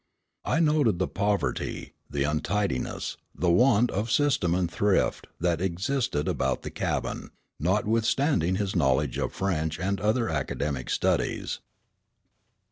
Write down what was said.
I noted the poverty, the untidiness, the want of system and thrift, that existed about the cabin, notwithstanding his knowledge of French and other academic studies.